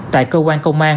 tại cơ quan công an